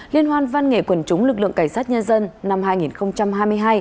liên hoan văn nghệ quần chúng lực lượng cảnh sát nhân dân năm hai nghìn hai mươi hai